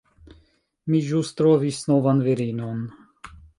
Mi ĵus trovis novan virinon.